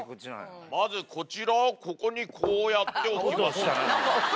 まずこちらをここにこうやって置きます。